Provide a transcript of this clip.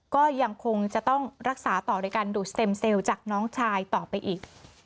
ก็ยังคงจะต้องรักษาต่อโดยการดูดสเต็มเซลล์จากน้องชายต่อไปอีก